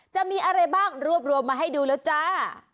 จะมีอะไรบ้างรวบรวมมาให้ดูแล้วจ้า